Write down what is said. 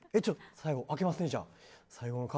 最後開けますね、じゃあ。